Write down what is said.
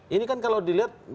ini kan kalau dilihat